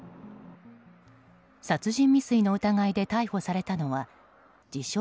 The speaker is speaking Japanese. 殺人未遂の疑いで逮捕されたのは自称